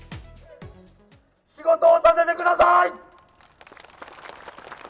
仕事をさせてください。